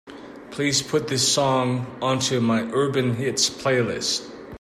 Please put this song onto my Urban Hits playlist.